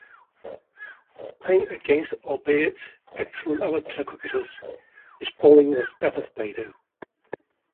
Playing against albeit excellent amateur cricketers his bowling was devastating.